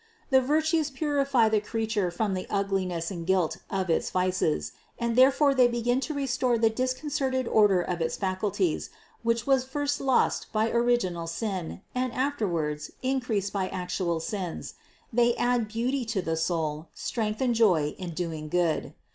The virtues purify the creature from the ugliness and guilt of its vices, and thereby they begin to restore the disconcert ed order of its faculties, which was first lost by original sin and afterwards increased by actual sins; they add beauty to the soul, strength and joy in doing good.